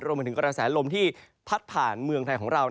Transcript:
มาถึงกระแสลมที่พัดผ่านเมืองไทยของเรา